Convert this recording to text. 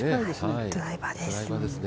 ドライバーです。